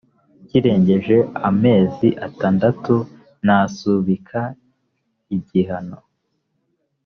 kirengeje amazi atandatu nta subikagihano